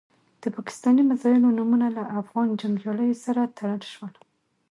د پاکستاني میزایلو نومونه له افغان جنګیالیو سره تړل شول.